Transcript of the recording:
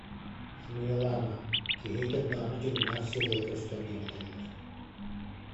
Сымыйалаама, киһи итирдэҕинэ дьиҥнээх сирэйэ көстөр диэн этэллэр